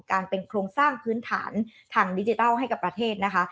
การเป็นโครงสร้างพื้นฐานทางดิจิทัลให้กับประเทศนะคะ